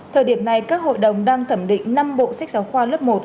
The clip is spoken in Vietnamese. thời điểm này các hội đồng đang thẩm định năm bộ sách giáo khoa lớp một